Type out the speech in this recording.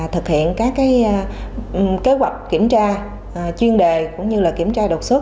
thực hiện các kế hoạch kiểm tra chuyên đề cũng như kiểm tra độc sức